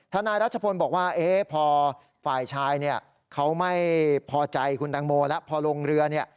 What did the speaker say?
ธนายรัชพลบอกว่าพอฝ่ายชายเขาไม่พอใจคุณตังโมและพอลงเรือ